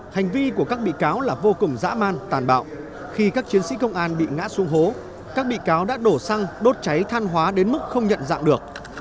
hành vi của các bị cáo là vô cùng dã man tàn bạo khi các chiến sĩ công an bị ngã xuống hố các bị cáo đã đổ xăng đốt cháy than hóa đến mức không nhận dạng được